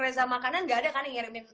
reza makanan gak ada kan yang ngirimin